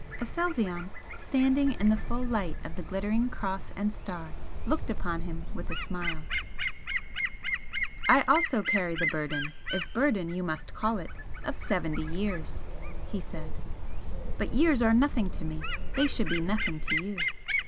Aselzion, standing in the full light of the glittering Cross and Star, looked upon him with a smile. "I also carry the burden if burden you must call it of seventy years!" he said "But years are nothing to me they should be nothing to you.